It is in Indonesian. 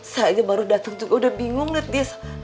saya aja baru datang juga udah bingung netis